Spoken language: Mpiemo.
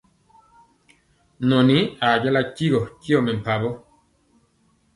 Nɔn ajala tigɔ tyɔ mɛmpawɔ.